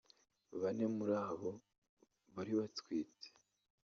bane muri bo bari batwite